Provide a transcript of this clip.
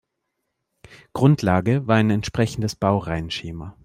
Grundlage war ein entsprechendes Baureihenschema.